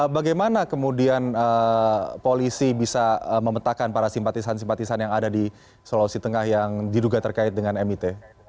bagaimana kemudian polisi bisa memetakan para simpatisan simpatisan yang ada di sulawesi tengah yang diduga terkait dengan mit